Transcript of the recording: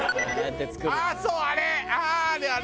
あっそうあれ！